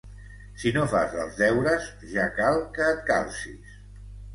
Si no fas els deures, ja cal que et calcis!